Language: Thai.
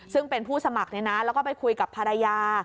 ซึ่งเป็นผู้สมัครแล้วก็ไปคุยกับภรรยา